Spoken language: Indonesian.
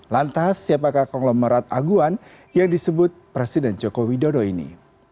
lantas siapakah konglomerat aguan yang disebut presiden joko widodo ini